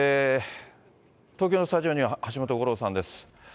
東京のスタジオには、橋本五郎さんです。